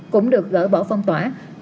cũng được gỡ bỏ phòng chống dịch